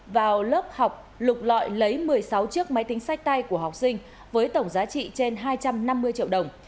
vào lớp học lục lọi lấy một mươi sáu chiếc máy tính sách tay của học sinh với tổng giá trị trên hai trăm năm mươi triệu đồng